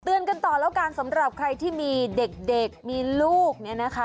กันต่อแล้วกันสำหรับใครที่มีเด็กมีลูกเนี่ยนะคะ